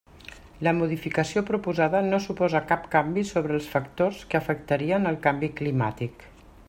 La modificació proposada no suposa cap canvi sobre els factors que afectarien el canvi climàtic.